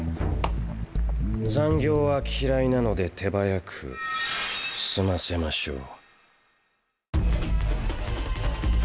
残業は嫌いなので手早く済ませましょう。